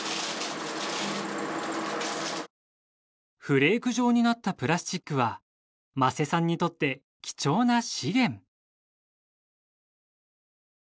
フレーク状になったプラスチックは間瀬さんにとって貴重な資源。